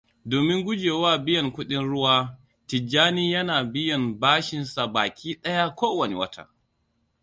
Domin gujewa biyan kudin ruwa, Tijjani yana biyan bashinsa baki daya kowane wata.